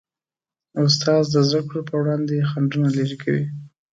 استاد د زدهکړو په وړاندې خنډونه لیرې کوي.